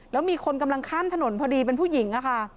แล้วมีคนกำลังข้ามถนนพอดีเป็นผู้หญิงค่ะ